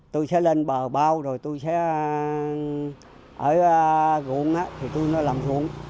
tôi sẽ lên bờ bao rồi tôi sẽ ở ruộng thì tôi làm ruộng